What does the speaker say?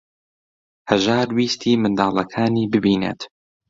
هەژار ویستی منداڵەکانی ببینێت.